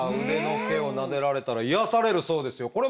腕の毛をなでられたら癒やされるそうですよ。